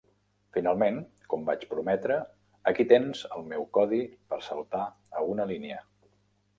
Finalment, com vaig prometre, aquí tens el meu codi per saltar a una línia.